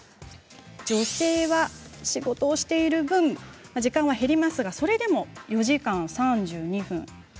女性は仕事をしている分時間は減りますがそれでも４時間３２分